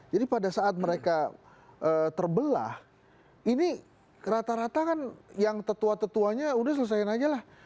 jadi pada saat mereka terbelah ini rata rata kan yang tetua tetuanya udah selesaikan aja lah